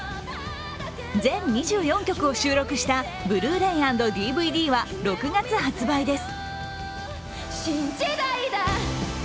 全２４曲を収録したブルーレイ＆ＤＶＤは６月発売です。